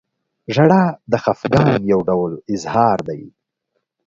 • ژړا د خفګان یو ډول اظهار دی.